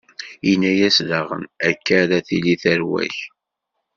Inna-yas daɣen: Akka ara tili tarwa-k.